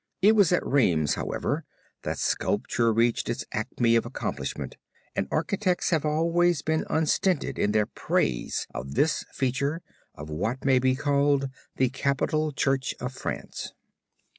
It was at Rheims, however, that sculpture reached its acme of accomplishment, and architects have been always unstinted in their praise of this feature of what may be called the Capitol church of France.